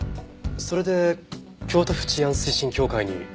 それで京都府治安推進協会に天下りを？